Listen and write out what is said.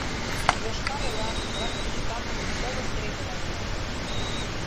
Йошкар-Ола, главпочтамт, до востребования.